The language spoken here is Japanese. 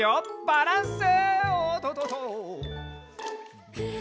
バランス！